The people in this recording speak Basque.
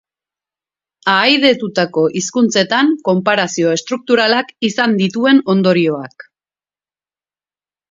Ahaidetutako hizkuntzetan konparazio estrukturalak izan dituen ondorioak.